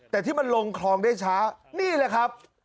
แต่ที่มันลงคลองได้ช้านี่แหละครับ